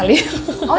temuin deh sekali sekali